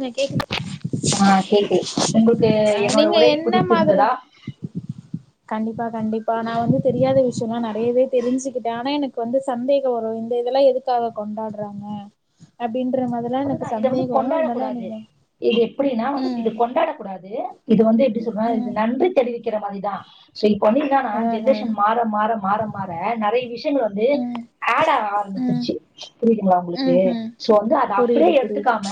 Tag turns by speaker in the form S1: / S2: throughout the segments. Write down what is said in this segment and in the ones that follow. S1: நீங்க கேக்குது
S2: ஆ கேக்கு உங்களுக்கு
S1: அ
S2: என்னோட
S1: நீங்க
S2: உரை
S1: என்ன மாதிரி
S2: பிடித்திருந்ததா
S1: கண்டிப்பா கண்டிப்பா நா வந்து தெரியாத விஷயங்கள நெறையவே தெரிஞ்சுக்கிட்டே ஆனா எனக்கு வந்து சந்தேக வரு இந்த இதெல்லா எதுக்காக கொண்டாடறாங்க அப்டின்ற மாரில்லா எனக்கு சந்தேக வரு
S2: ட
S1: அதனால
S2: கூடாது
S1: நீங்க
S2: இது எப்டின்னா வந்து
S1: ம்
S2: இது கொண்டாடக்கூடாது இது வந்து எப்டி சொல்றனா இது
S1: ம்
S2: நன்றி தெரிவி க்கிற மாரிதா சோ இப் ப வந்து இதானா
S1: ஆஹ
S2: ஜென்ரேஷன் மாற மாற மாற மாற நெறய விஷயங்கள் வந்து
S1: ம்
S2: ஆட் ஆக ஆரம்பிச்சிரு
S1: ம்
S2: ச்சு புரியுதுங்ளா உங்குளுக்கு
S1: ம்ஹும்
S2: சோ வந்து அத அப் டியே
S1: புரியுது புரியுது
S2: எடுத்துக்காம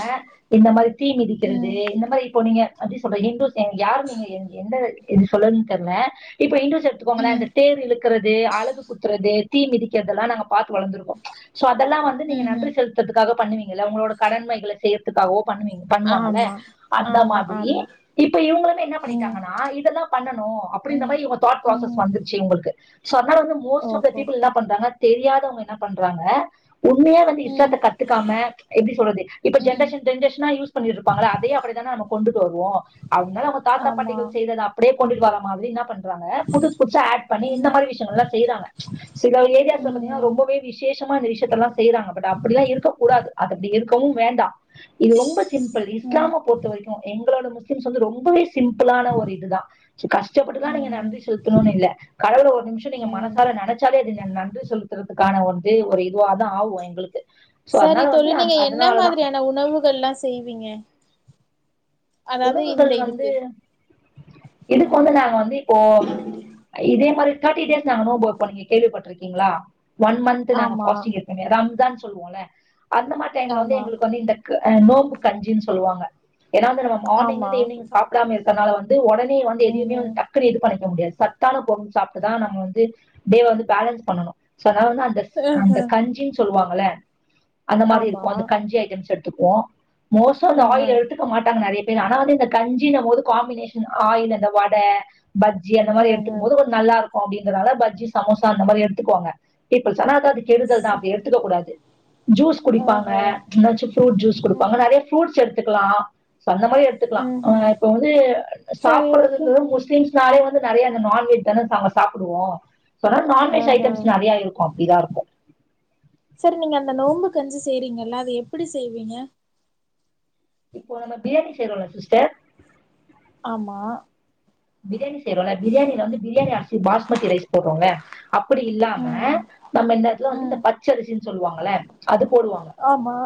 S2: இந்த மாரி தீ மிதிக்கிறது
S1: ம்
S2: இந்த மாரி இப்போ நீங்க அப்டி சொல்றன் இந்தூஸ் அ யாரு நீங்க எ எந்த இது சொல்லன்னு தெர்ல இப்ப இந்தூஸ் த்து எடுத்துக்கோங்களேன்
S1: ம்
S2: அந்த தேர் இழுக்கிறது அலகு குத்துறது தீ மிதிக்கிறதெல்லாம் நாங்கப் பாத்து வளந்துருக்கோ சோ அதெல்லா வந்து நீங்க நன்றி
S1: ம்ஹும்
S2: செலுத்துரதுக்காக பண்ணுவீங்களா உங்களோட கடமைகள செய்யற்துக்காகவோ பண்ணுவீங்க பண்ணுவாங்கல்ல
S1: ஆமா
S2: அந்த
S1: ஆமா
S2: மாதிரியே
S1: ஆமா
S2: இப்ப இவங்களனா என்ன
S1: ம்
S2: பண்ணிட்டாங்கன்னா இதெல்லா பண்ணணும் கு அப்புடின்ற
S1: ம்
S2: மாரி இவங்க தாட் ப்ராசஸ்
S1: ம்
S2: வந்துட்ச்சு இவங்களுக்கு சொன்னா வந்து மோஸ்ட் ஆஃப் த
S1: ஓஹோ
S2: பீப்பிள் இன்னா பண்றாங்க தெரியாதவங்க என்னா பண்றாங்க உண்மையா வந்து
S1: ம்
S2: இஷ்டத்த கத்துக்காம எப்டி ஸ் சொல்றது இப்ப
S1: ம்
S2: ஜென்ரேஷன் ஜென்ரேசனா யூஸ் பண்ணிட்ருப்பாங்கல்ல அதையே அப்புடிதானா நாம கொண்டுட்டு வருவோம் அத்னால அவங்க தாத்தா
S1: ஆமா
S2: பாட்டிகள் செய்தது அப்புடே கொண்டுட்டு வரா மாதிரி இன்னா பண் றாங்க புதுஸ் புதுசா ஆட் பண்ணி இந்த
S1: ம்
S2: மாரி விஷயங்கள்லா செய்றாங்க சில ஏரியாஸ்ல
S1: ம்
S2: பாத்தீங்கன்னா
S1: ம்
S2: ரொம்பவே விசேஷ் தமா அந்த விஷயத்தல்லா செய்யிறாங்க பட் அப்டில்லா இருக்கக்கூடாது அது அப்டி இருக் கவும் வேண்டா இது ரொம்ப சிம்பிள்
S1: ம்
S2: இஸ்லாம பொறுத்த வரைக்கும் எங்களோட முஸ்லிம்ஸ் வந்து ரொம்பவே சிம்பிளான ஒரு இதுதான் கஷ்டப்பட்டு லா நீங்க
S1: ம்ஹும்
S2: நன்றி செலுத்தணுன்னுயில்ல கடவுள ஒரு நிமிஷம் நீங்க
S1: ம்
S2: மனசார நெனச்சாலே அது நன் நன்றி செலுத்துறதுக்கான வந்து ஒரு இதுவா தா ஆகும் எங்களுக்கு சோ
S1: சரி
S2: அதனால வந்து
S1: தோழி நீங்க
S2: அந்த-
S1: என்ன
S2: அதனாலதான்
S1: மாதிரியான உணவுகள்லா செய்வீங்க அதாவது
S2: உணவுகள்
S1: இந்த
S2: வந்து
S1: இதுக்கு
S2: இதுக்கு
S1: ம்
S2: வந்து நாங்க வந்து இப்போம் இதே மாரி ஃதர்டி டேஸ் நாங்க நோம்பு வெப்போ நீங்க கேள்விப்பட்ருக்கீங்கலா ஒன் மன்து நாங்க
S1: ஆமா
S2: ஃபாஸ்டிங் இருப்போ எ ரம்ஜான் சொல்லுவோம்ல அந்த மாரி டைம்ல வந்து
S1: ஆமா
S2: எங்களுக்கு வந்து இந்த க அ நோம்பு கஞ்சி ன் சொல்லுவாங்க ஏன்னா அந்த
S1: ஆமா
S2: மார்னிங்லந்து ஈவனிங் சாப்புடாம இருக்கறதுனால வந்து ஒடனே வாந்து
S1: ம்
S2: எதுயுமே
S1: ம்
S2: வந்து டக்குனு இது பண்ணி க்க முடியாது சத்தான பொருள் சாப்ட்டு தா நம்ம வந்து டேவ வந்து பேலன்ஸ் பண்ணணு சொன்னா வந்து அந்த
S1: ஆஹ
S2: அந்த கஞ்சின்னு சொல்லுவாங்கள்ல அந்த மாரி
S1: ஆமா
S2: இருக்கு அந்த கஞ்சி ஐடம்ஸ் எட் துப்போ மோஸ்டா அந்த
S1: ஆஹ
S2: ஆயில் எடுத்துக்க மாட்டாங்க நறைய ஆனா வந்து இந்த கஞ்சினம்மோது காம்பினேஷன் ஆயில் இந்த வட பஜ்ஜி அந்த மாரி
S1: ஆஹ
S2: எடுத்துக்கும் போது கொஞ்ச நல்லாருக்கு அப்டிங்கதால பஜ்ஜி சமோசா அந்த மாரி எடுத்துக்குவாங்க ஆனா அது கெடுதல்தா
S1: ச
S2: அப்டி எடுத்துக்க கூடாது ஜூஸ்
S1: ஆஹ
S2: குடிப்பாங்க என்னாச்சு ஃப்ரூட் ஜூஸ் குடுப்பாங்க
S1: ம்
S2: நெறைய ஃப்ரூட்ஸ் எடுத்துக்கலா காய் எடுத்துக்கலா ஆ
S1: ம்ஹும்
S2: இப்ப வந்து
S1: சரி ஓகே
S2: சாப்படறதுங்றது முஸ்லிம்ஸ்னாலே நெறைய அந்த நான்வெஜ் தான நாங்க சாப்புடுவோ சொன்னா நான்வெஜ்
S1: ஆஹ
S2: ஐட்டம்ஸ் நெறையா இருக்கு அப்டிதா இருக்கு
S1: இந்த நோம்பு கஞ்சி செய்றிங்கல்ல அத எப்டி செய்விங்க
S2: இப்போ நம்ப பிரியாணி செய்றோல சிஸ்டர்
S1: ஆமா
S2: பிரியாணி செய்றோல பிரியாணில வந்து பிரியாணி அரிசி பாஸ்மதி ரைஸ் போட்றோல்ல அப்பிடி இல்லாம
S1: ம்
S2: நம்ம இந்த எடத்துல வந்து இந்த
S1: ம்
S2: பச்சரிசின் சொல்வாங்கல அது போடுவாங்க
S1: அமா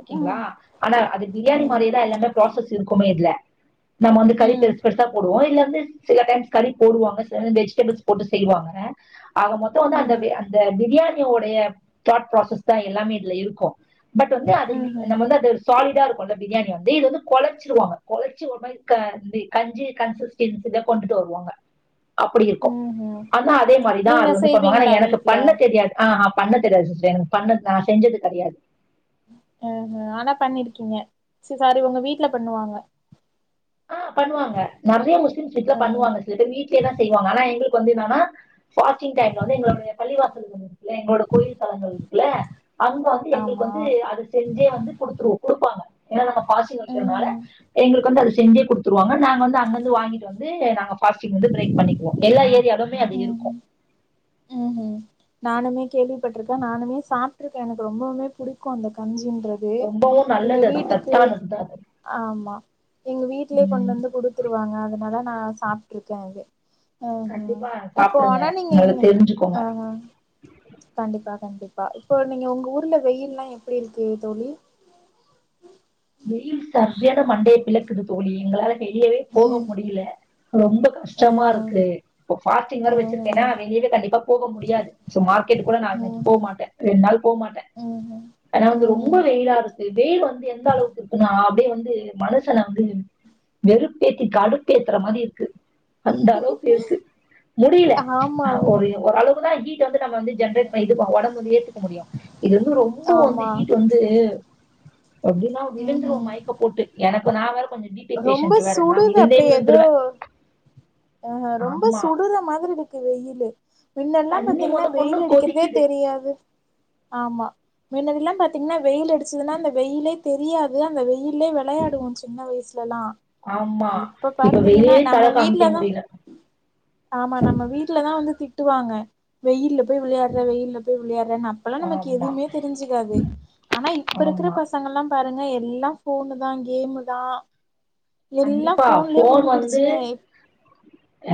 S2: ஓகேங்ளா ஆனா அது பிரியாணி
S1: ம்
S2: மாரியேதா எல்லாமே ப்ராசஸ் இருக்குமே இதுல நம்ம வந்து கறி
S1: ம்
S2: பெருசு பெருசா போடுவோ இதுல வந்து சில டைம்ஸ் கறி போடுவாங்க சில டைம் வெஜிடெபிள்ஸ் போட்டு செய்வாங்க ஆக மொத்த வந்து அந்த
S1: ம்
S2: அந்த பிரியாணியோடைய தாட் ப்ராசஸ்தா எல்லாமே இதுல இருக்கு பட் வந்து அது லி
S1: ம்ஹும்
S2: நம்ம வந்து அது சாலிடா கொண்ட பிரியாணி வந்து இது வந்து கொலைச்சிருவாங்க கொலைச்சி ஒரு மாரி கஞ்சி கன்சிஸ்டன்ஸ் தா கொண்டுட்டு வருவாங்க அப்டி இருக்கு
S1: ம்ஹும்
S2: ஆனா அதே மாரிதான்
S1: நீங்க
S2: அது வந்து பண்ணுவாங்க ஆனா
S1: செய்வீங்களா
S2: எனக்கு
S1: வீட்ல
S2: பண்ண தெரியாது அஹ் பண்ண தெரியாது சிஸ்டர் எனக்கு பண்ண நான் செஞ்சது கெடையாது
S1: அஹ் ஹ ஆனா பண்ணிருக்கீங்க ச சாரி உங்க வீட்டுல பண்ணுவாங்க
S2: ஆ பண்ணுவாங்க நறைய முஸ்லிம்ஸ் வீட்ல
S1: ம்
S2: பண்ணுவாங்க சிலபேர் வீட்லயே தா செய்வாங்க ஆனா எங்களுக் கொந்தினானா ஃபாஸ்டிங் டைம்ல வந்து எங்குளோடுது பள்ளிவாசல் வந் இல்ல எங்களோட கோயில் தளங்கள் இருக்குல்ல அங்க வந்து எங்களுக்கு
S1: ஆமா
S2: வந்து அத செஞ்சே வந்து குடுத்துரு குடுப்பாங்க ஏனா நாங்க பாஸ்டிங் வெக்கிறனால
S1: ம்ஹூம்
S2: எங்களுக்கு வந்து அத செஞ்சே குடுத்துருவாங்க நாங்க வந்து அங்கிருந்து வாங்கிட்டு வந்து நாங்க பாஸ்டிங் வந்து பிரேக் பண்ணிக்குவோ எல்லா ஏரியாலுமே அப்டி இருக்கூ
S1: ம்ஹூம் ம்ஹூம் நானுமே கேள்விப்பட்ருக்க நானுமே சாப்ட்டுருக்க எனக்கு ரொம்பவுமே புடிக்கு அந்த கஞ்சி றது
S2: ரொம்பவும்
S1: எங்க
S2: நல்லது அது
S1: வீட்டுக்கு
S2: சத்தானது தான் அது
S1: அமா எங்க வீட்லயே கொண்டு
S2: உம்
S1: வந்து குடுத்துருவாங்க அதனால நா சாப்டுருக்க அது ஆஹ்
S2: கண்டிப்பா
S1: இப்போ
S2: சாப்பிடுங்க.
S1: ஆனா நீங்க
S2: நல்லா தெரிஞ்சுக்கோங்க.
S1: ஆஹ் கண்டிப்பா கண்டிப்பா இப்போ நீங்க உங்க ஊர்ல வெயில்லயெல்லா எப்டி இருக்கு தோழி
S2: வெயில் சரியான மண்டையை பிளக்குது தோழி எங்களால வெளியவே போக முடியல ரொம்ப கஷ்டமா
S1: ம்ஹூம்
S2: இருக்கு இப்ப ஃபாஸ்டிங் வேர வச்சிருக்கேன்னா
S1: ம்ஹூம்
S2: வெளியே கண்டிப்பா போக முடியாது சோ மார்க்கெட் கூட நா இன்னைகு
S1: ம்ஹூம்
S2: போமாட்ட ரெண்டு நாள் போமாட்ட
S1: ம்ஹூம்
S2: ஆனா வந்து ரொம்ப
S1: ம்ஹூம்
S2: வெயிலாருக்கு வெயில் வந்து எந்த அளவுக்கு இப்ப நா அப்டியே வந்து மனுசன வந்து வெறுப்பேத்தி கடுப்பேத்துற மாரி இருக்கு அந்த அளவுக்கு இருக்கு முடியல
S1: ஆமா அது
S2: ஒரு ஒரு அளவுதா ஹெ ப நம்ம வந்து ஜென்ரேட் பண்ணிட்டுபோ உடம்பு வந்து ஏத்துக்க முடியு இது வந்து ரொம்ப வந்து
S1: ஆமா
S2: ஹீட் வந்து எப்டின்னா விழுந்துருவோ
S1: ம்ஹும்
S2: மைக்க போட்டு எனக்கு நா வேர
S1: ரொம்ப சுடுது அப்டி எதோ அ ஹ ரொம்ப
S2: ஆமா
S1: சுடுற மாரி இருக்கு வெயிலு முன்னெல்லா
S2: தண்ணி
S1: பாத்தீங்கன்னா
S2: முத கொண்டு
S1: வெயில் அடிக்கிறதே
S2: கொதிக்குது
S1: தெரியாது ஆமா மின்னதெல்லா பாாரத்தீங்கன்னா வெயில் அடிச்சதுன்னா அந்த வெயிலே தெரியாது அந்த வெயிலே விளையாடுவோ சின்ன வயசுல லலா
S2: ஆமா
S1: இப்ப பாத்தீங்கன்னா
S2: வெளியே தலை
S1: நம்ம
S2: காமிக்க
S1: வீட்டுலதா
S2: முடியல
S1: ஆமா நம்ம வீட்டுலதா வந்து திட்டுவாங்க வெயில போயி வெளையாடுற வெயில போயி வெளையாடுறே அப்பெல்லா நமக்கு
S2: ஆமா
S1: எதுவுமே தெரிஞ்சிக்காது ஆனா இப்ப இருக்கிற
S2: ஆமா
S1: பசங்கெல்லா பாருங்க எல்லா ஃபோனு தா கேமு தா எல்லா
S2: கண்டிப்பா
S1: ஃபோன்லயே
S2: ஃபோன் வந்து
S1: மூழ்கிடுச்சுங்க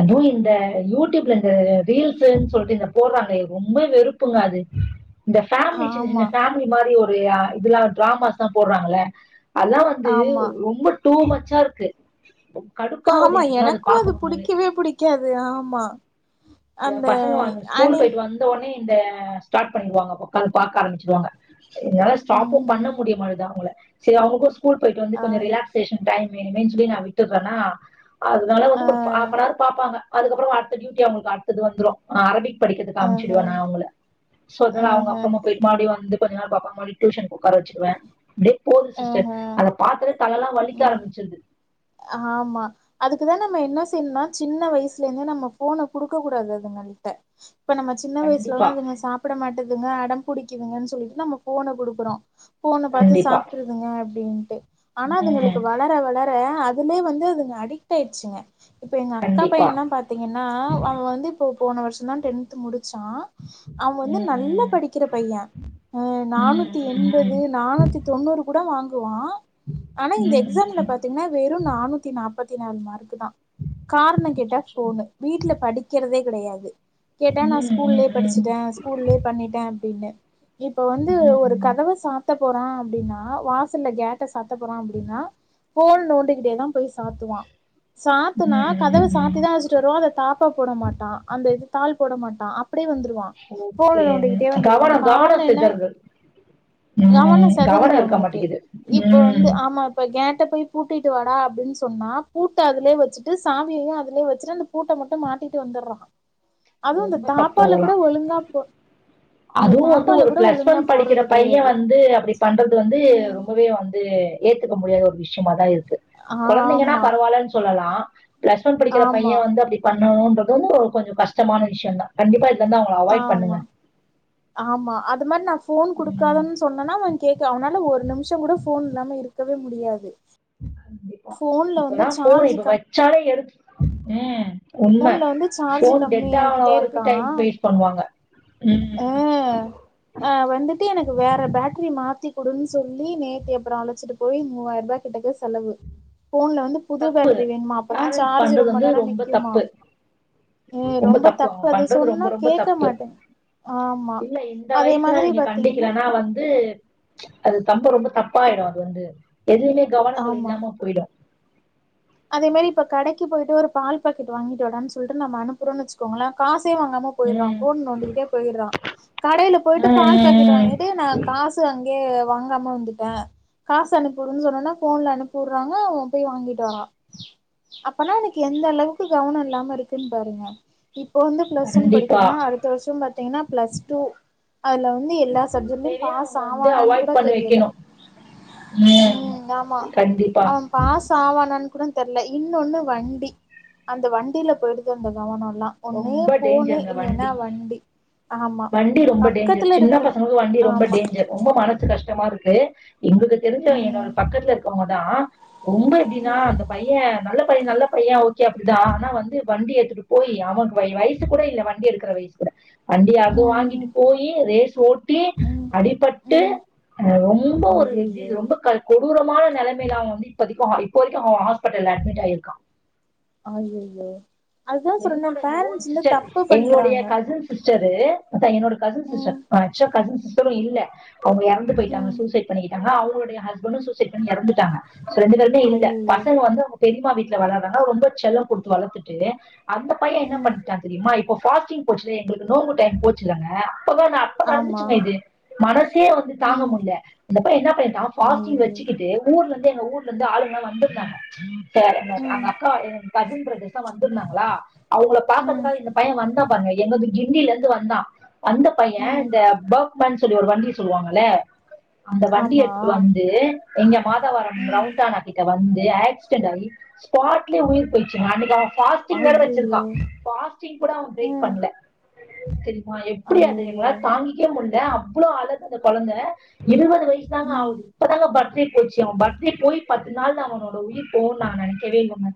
S2: அதுவு இந்த யூடியூப்ல இந்த ரீல்ஸ்ன் சொல்ட்டு இந்த போடுவாங்லே ரொம்ப வெறுப்புங்க அது இந்த ஃபேமிலி சின்ன
S1: ஆமா
S2: சின்ன ஃபேமிலி மாரி ஒரு ஆ இதுல்லா டிராமாஸ் லா போடுறாங்கள அல்லா வந்து ரொ
S1: ஆமா
S2: ரொம்ப டூ மச்சா இருக்கு கடுப்பாகுது
S1: ஆமா
S2: எனக்குலாம்
S1: எனக்கு அது
S2: பார்க்கணும்னாலே
S1: புடிக்கவே புடிக்காது ஆமா
S2: ஏ
S1: அந்த
S2: பசங்க வந் ஸ்கூல்
S1: அணி
S2: போயிட்டு வந்தோனே இந்த ஸ்டார்ட் பண்ணிடுவாங்க உக்காந்து பார்க்க ஆரம்பிச்சிடுவாங்க என்னால
S1: ம்
S2: ஸ்டாப்பும்
S1: ம்
S2: பண்ண முடிய மாட்டிது அவங்கள செரி அவங்களுக்கு ஸ்கூல் போயிட்டு வந்து கொஞ்சோ
S1: ஆமா
S2: ரிலாக்சேஷன் டைம் வேணுமேன்னு சொல்லி நா விட்டுறேன்னா அதுனால வந்து
S1: ஆ
S2: ஒரு ஃபா ஆஃப்நார் பாப்பாங்க அதுக்கப்ரோ அடுத்த டியூட்டி அவங்களுக்கு அடுத்தது வந்துரும் அரபிக் படிக்கிறதுக்கு
S1: ஆஹ
S2: அமிச்சிடுவ நா அவங்கள சோ அதனா அவங்க
S1: ஆஹ
S2: அப்புறம்மா போயி மறுடியும் வந்துட்டு கொஞ்சோ நேரோ பாப்பாங்க மறுடி டியூஷனுக்கு உக்கார வச்சுடுவ டியே போது சிஸ்டர்
S1: ஆஹ
S2: அத பாத்தாலே தல எல்லா வலிக்க
S1: ம்
S2: ஆரம்பிச்சிருது
S1: ஆமா அதுக்குதா நம்ம என்ன செய்யுனா சின்ன வயசுலந்தே நம்ம ஃபோன குடுக்க கூடாது அதுங் கல்ட்ட இப்ப நம்ம சின்ன
S2: கண்டிப்பா
S1: வயசுலல்லாம் அதுங்க சாப்பிட மாட் டதுங்க அடம் புடிங்குதுங்கன்னு சொலிட்டு நம்ம ஃபோன குடுக்கறோ, ஃபோன பாத்து
S2: கண்டிப்பா
S1: சாப்ட்டுறதுங்க அப்படின் ஆனா அதுங்களுக்கு
S2: உம்
S1: வளர வளர அதுலயே வந்து அதுங்க அடிக்ட் ஆயிடுச்சுங்க இப்ப எங்க அக்கா
S2: கண்டிப்பா
S1: பையன்ல்லாம் பாத்தீங்கன்னா அவன் வந்து இப்போ போன வருஷம் தா டென்த் முடிச்சா அவ வந்து நல்லா
S2: உம்
S1: படிக்கிற பைய அ
S2: ம்
S1: நானூத்தி
S2: ம்
S1: எண்பது நானூத்தி தொண்ணூறு கூட வாங் ங்குவா ஆனா இந்த
S2: ம்
S1: எக்ஸாம்ல
S2: ம்
S1: பாத்தீங்கன்னா வெறு நானூத்தி நாப்பத்தி நாலு மார்க்கு தா காரணோ கேட்டா
S2: அச்சச்சோ!
S1: ஃபோனு வீட்ல படிக்கிறதே கெடையாது கேட்டா நா
S2: ம் ம்
S1: ஸ்கூல்லயே
S2: ம்
S1: படிச்சுட்டே ஸ்கூல்லயே பண்ணிட்ட அப்பிடின்னு இப்ப வந்து
S2: ம்
S1: ஒரு
S2: ம்
S1: கதவே சாத்த போறா அப்பிடின்னா வாசல்ல கேட் சாத்த போறா அப்பிடின்னா ஃபோல் நோண்டிகிட்டே தா பேஸ் சாத்துவா சாத்துனா
S2: ம்
S1: கதவ
S2: ம்
S1: சாத்திதா வச்சட்டு வருவா அத தாப்பா போட மாட்டா அந்த இது தாள் போட மாட்டா அப்டே வந்துருவா ஃபோன
S2: ஓகே.
S1: நோண்டிகிட்டே வந்துருவா
S2: கவனம்
S1: காரணோ
S2: கவனம்
S1: என்ன
S2: சிதறுது.
S1: கவனோ
S2: ம்
S1: செதருது
S2: கவனம் இருக்க
S1: அவனுக்கு
S2: மாட்டேங்குது.
S1: இப்ப வந்து
S2: ம்
S1: ஆமா இப்ப கேட்ட போய் பூட் பூட்டிட்டு வாடா அப்டின்னு சொன்னா பூட்ட அதுலயே வெச்சுட்டு சாவியையு அதுலயே வெச்சுட்டு அந்த பூட்ட மட்டு மாட்டிட்டு வந்துடுறா அதுவு அந்த
S2: ரொம்ப தப்பு
S1: தாப்பாலக் கூட
S2: அதெல்லாம்.
S1: ஒழுங்கா போ இந்த
S2: அதுவும் வந்து
S1: தாப்பால
S2: ஒரு
S1: கூட
S2: பிளஸ்
S1: ஒழுங்கா
S2: ஒன் படிக்கிற
S1: போடுறது
S2: பையே
S1: கெடையாது
S2: வந்து அப்படி பண்றது வந்து
S1: ம்
S2: ரொம்பவே வந்து ஏத்துக்க ச்சியமா தா இருக்கு கொழந்தைங்கன்னா
S1: ஆமா
S2: பரவால்லேன்னு சொல்லலா பிளஸ் ஒன் படிக்கிற பையே
S1: ஆமா
S2: வந்து அப்பிடி பண் ணன்றது வந்து ஒரு கொஞ்சோ கஷ்டமான விஷ்யோ தா கண்டிப்பா இது வந்து அவங்க அவாய்ட்
S1: ஆமா
S2: பண்ணுங்க
S1: ஆமா அது மாரி நா ஃபோன்
S2: ம்.
S1: குடுக்காதன்னு சொன்னனா அவ கேக்கல அவனால ஒரு நிம்ஷோ கூட ஃபோன் இல்லாம இருக்கவே முடியாது
S2: கண்டிப்பா
S1: ஃபோன்ல வந்து
S2: இப்பதா ஃபோன்
S1: சார்ஜ்
S2: இப்ப
S1: கம்
S2: வச்சாலே எடுத்து ம் உண்ம
S1: ஃபோன்ல வந்து சார்ஜ்
S2: ஃபோன் டெட்டா ஆவர
S1: கம்மியாக்கிட்டே
S2: வரைக்கு டைம் வெய்ட் பண்ணுவாங்க
S1: அ
S2: ம்
S1: அவ வந்துட்டு ட்டு எனக்கு வேற பேட்டரி மாத்தி குடுன்னு சொல்லி நேத்து அப்புறோ அழைச்சிட்டு போய் மூவாயிர ரூபாய் கிட்ட செலவு ஃபோன்ல வந்து புது
S2: தப்பு
S1: பேட்டரி வேணுமா அப்பதா
S2: பேரண்ட்ஸ்
S1: சார்ஜ்
S2: பண்றது
S1: ரொம்ப
S2: வந்து
S1: நேரோ நிக்குமா
S2: தப்பு
S1: ஏ
S2: ரொம்ப தப்பு அவ
S1: அது
S2: பண்றது ரொம்ப
S1: சொன்னா
S2: ரொம்ப
S1: கேட்க
S2: தப்பு
S1: மாட்டேங் ஆமா
S2: இல்ல இந்த
S1: அதே
S2: வயசுல
S1: மாதிரி
S2: நீங்க
S1: பாத்தீங்கன்னா
S2: கண்டிக்கலன்னா வந்து அது தம்ப ரொம்ப தப்பாயிடு அது வந்து எதுவுமே
S1: ஆமா
S2: இல்லாம போயிடு
S1: அதே மாரி இப்ப கடைக்கி போயிட்டு ஒரு பால் பாக்கெட் வாங்கிட்டு வாடான்னு சொல்ட்டு நாம்ம அனுப்புறோம்னு வெச்சுக்கோங்களே காஸ் காசே வாங்காம போயிடுறா
S2: ம்
S1: ஃபோன் நோண்டிக்கிட்டே போயிறா கடையில போயிட்டு பால் பாக்கெட்
S2: ம்
S1: வாங்கிட்டு நா காசு அங்கேயே வாங்காம வந்துட்டே காசு அனுப்பிவுடுன்னு சொன்னோன்ன ஃபோன்ல அனுப்பிவுடுறாங்க அவ போய் வாங்கிட்டு வரா அப்பனா அவ்னுக்கு எந்த அளவுக்கு கவனோ இல்லாம இருக்குன்னு பாருங்க இப்போ வந்து பிளஸ் ஒன்
S2: கண்டிப்பா
S1: படிக்கிறா அடுத்த வருஷோ பாத்தீங்கன்னா பிளஸ் டூ அதுல வந்து எல்லா சப்ஜெக்டலயு
S2: இப்பவே
S1: பாஸ்
S2: அவங்க வந்து
S1: ஆவானான் கூட
S2: அவாய்ட் பண்ணி
S1: தெரியல
S2: வைக்கணு
S1: ம் ஆமா
S2: கண்டிப்பா
S1: அவ பாஸு ஆவாணான் தெர்ல இன்னொன்னு வண்டி அந்த வண்டியில போயிடுது அந்த கவனம் வா ஒண்ணு
S2: ரொம்ப
S1: ஃபோனு
S2: டேஞ்சருங்க
S1: இல்லேன்னா வண்டி ஆமா
S2: வண்டி ரொம்ப டேஞ்சர்
S1: பக்கத்துல
S2: சின்ன
S1: இருக்கிற
S2: பசங்களுக்கு வண்டி ரொம்ப
S1: ஆமா
S2: டேஞ்சர் ரொம்ப மனசு கஷ்டமாருக்கு எங்களுக்கு தெரிஞ்சவ என்னோட
S1: ம்
S2: பக்கத்துல இருக்கறவங்கதா ரொம்ப எப்பிடின்னா
S1: ம்
S2: அந்த பையே நல்ல பையே நல்ல பையே க்ய அப்டிதா ஆனா வந்து வண்டி எடுத்துட்டு போய் அவன்க்கு வயசு கூட இல்ல வண்டி எடுக்கற வயசு கூட வண்டியா அது வாங்கிட்டு
S1: ம் ம்
S2: போய் ரேஸ் ஓட் டியே
S1: ம்
S2: அடிபட்டு
S1: ம்
S2: அ ரொம்ப ஒரு இது
S1: அய்யய்யோ
S2: ரொம்ப க கோ தூரமான நெலமையில அவ வந்து இப்போதைக்கி இப்போதைக்கு அவ ஹாஸ்பேட்டல்ல அட்மிட் ஆயிருக்கா
S1: அய்யயோ
S2: என்னோட ஓன் சிஸ்டர் எங்களுடைய
S1: பண்றாங்க
S2: கசின் சிஸர் சிஸ்டரு அதா என்னோட கசின் சிஸ்டர்
S1: ம்
S2: ஆக்சுவா கசின் சிஸ்டரு இல்ல அவுங்க எறந்து போயிட்டாங்க
S1: ம்
S2: சூசைட் பண்ணி பெயிட்டாங்க அவங்களுடைய ஹஸ்பன்ட்டு சூசைட் பண்ணி எறந்துட்டாங்க ரெண்டு பேருமே இல்ல
S1: அய்யய்யோ
S2: பசங்க வந்து பெரியம்மா வீட்ல வளறாங்க ரொம்ப செல்லங்குடுத்து வளத்துட்டு அந்த பையே என்ன
S1: ம்
S2: பண்ணிட்டா தெரியுமா இப்போ பாஸிங் போச்சு எங்களுக்கு நோன்பு டைம் போச்சில்லங்க அப்போதா நா அப்ப தா
S1: ஆமா
S2: நடந்துச்சுங்க இது மனசே வந்து தாங்க
S1: ம்
S2: முல்ல அந்தப்ப என்ன பண்ட்டா ஃபாஸ்டிங்
S1: அய்யய்யோ
S2: வெச்சுக்கிட்டு ஊர்லந்து து எங்க ஊர்லருந்து ஆளுங்கா வந்துருந்தாங்க சோ அங்க
S1: ம்
S2: அவுங்க அக்கா கசின் பிரதர்ஸெல்லா வந்துருந்தாங்களா அவங்கள
S1: ம்
S2: பாக்கறதுக்காக இந்த பைய வந்தா பாருங்க எங்க வந்து கிண்டில இருந்து வந்தா அந்த பைய
S1: ம்
S2: இந்த பர்க்மேன் சொல்லி ஒரு வண்டி சொல்லுவாங்கல அந்த வண்டி
S1: ஆமா
S2: எடுத்துட்டு வந்து எங்க மாதாவர
S1: ம்
S2: ரவுண்டான கிட்ட வ வந்து ஆக்சிடெட் ஆயீ ஸ்பாட்லேயே உயிர் போச்சுங்க அன்னைக்கி அவ பாஸ்டிங் வேற இருக்கா
S1: அய்யய்யோ
S2: பாஸ்டீங் கூட அவ பிரேக்
S1: ம்
S2: பண்ணல தெரி எப்படிது எங்கள
S1: அய்யய்யோ
S2: தாங்கிக்கவே முடிய அவ்வளவு அளத்து அந்த குழந்த இருபது வயசு தங்க
S1: ம்
S2: ஆகு இப்பதா பர்த்டே போச்சு அவ பர்த்டே போயி பத்து நாள் நா அவனோட உயிர் போ நா நினைக்கவே இல்லங்க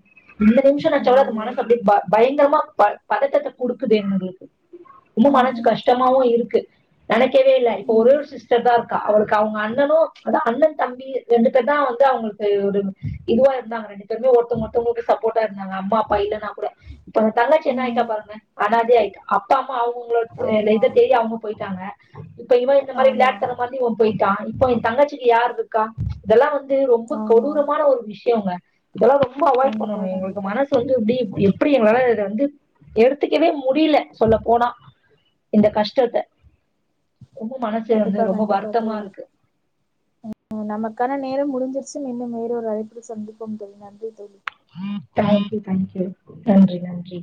S2: இந்த நிமிஷ நினச்சா கூட அது
S1: அய்யய்யோ
S2: மனசு அப பயங்கரமா ப பதத் பதத்டாதா கொடுக்குதுணுங்களுக்கு ரொம்ப மனசு
S1: ம்ஹும்
S2: கஷ்டமாவு இருக்கு நினைக்கவே இல் இப்ப ஒரே
S1: ம்
S2: ஒரு சிஸ்டர் தா இருக்கா அவருக்கு அவங்க அண்ணனு அத அண்ணன் தம்பி ரெண்டு பேர் தா ந்து அவங்களுக்கு ஒரு இதுவா இருந்தாங்க ரெண்டு பேருமே ஒருத்தங்கத்தவங்க சப்போர்டா இருந்தாங்க அம்மா அப்பா இல்லன்னா கூட இப்ப தங்கச்சி என்ன ஆயிட்டா
S1: ம்
S2: பாருங்க ஆனாதே ஆயிட்ட அப்பா அம்மா அவங்களோட
S1: ஆமா
S2: இத தெரிய அவங்க போயி டாங்கா இப்ப இவ இந்த மாதிரி
S1: ஆமா
S2: விளாட் தான மாதிரி போயிட்டா இப்போ என் தங்கச்சிக்கு யாரு இருக்கா இதெல்லா வந்து ரொம்ப
S1: ஆமா
S2: கொடூரமான ஒரு விஷயங்க இதெல்லா ரொம்ப அவாய்ட்
S1: கண்டிப்பா
S2: பண்ணணு எங்களுக்கு
S1: கண்டிப்பா
S2: மனச வந்து இப்படி இப்படி எப்படி எங்களால இத வந்து எடுத்துக்கவே முடியல சொல்ல போனா இந்த கஷ்டத்த
S1: கண்டிப்பா கண்டிப்பா தோழி நமக்கான நேரம் முடிஞ் ச்சு இன்னு வேறொரு அழைப்பில சந்திப்போ தோழி நன்றி தோழி
S2: தேக்யூ தேங்க்யூ நன்றி நன்றி